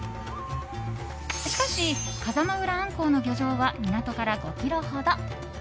しかし、風間浦鮟鱇の漁場は港から５ｋｍほど。